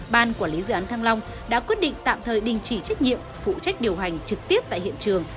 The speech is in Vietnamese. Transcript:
ban quản lý dự án thăng long đã quyết định tạm thời đình chỉ trách nhiệm phụ trách điều hành trực tiếp tại hiện trường